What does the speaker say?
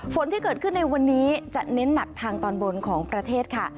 ฝนที่เกิดขึ้นในวันนี้จะเน้นหนักทางตอนบนของประเทศค่ะ